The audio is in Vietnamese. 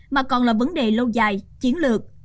mà còn là vấn đề lâu dài chiến lược